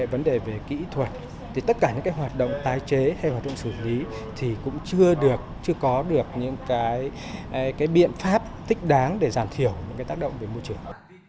vấn đề về kỹ thuật thì tất cả những hoạt động tái chế hay hoạt động xử lý thì cũng chưa có được những biện pháp tích đáng để giảm thiểu những tác động về môi trường